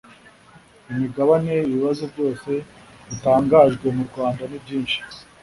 imigabane ibibazo byose bitangajwe murwanda nibyinshi